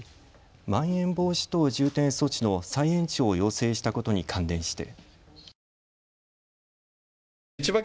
まん延防止等重点措置の再延長を要請したことに関連して。